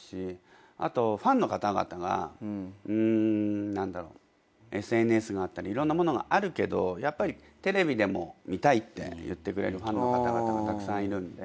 あとファンの方々がうーん何だろうＳＮＳがあったりいろんなものがあるけどやっぱりテレビでも見たいって言ってくれるファンの方々がたくさんいるんで。